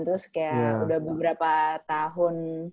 terus kayak udah beberapa tahun